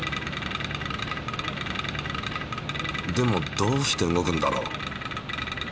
でもどうして動くんだろう？